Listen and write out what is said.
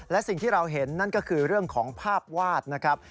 และสิ่งที่เราเห็นนั่นก็คือเรื่องของภาพวาดนะครับ